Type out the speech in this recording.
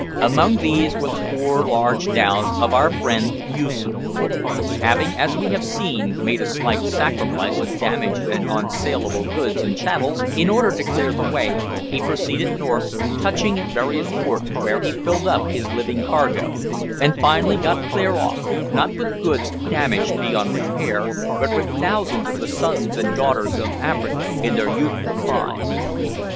Among these were the four large dhows of our friend Yoosoof. Having, as we have seen, made a slight sacrifice of damaged and unsaleable goods and chattels, in order to clear the way, he proceeded north, touching at various ports where he filled up his living cargo, and finally got clear off, not with goods damaged beyond repair, but with thousands of the sons and daughters of Africa in their youthful prime.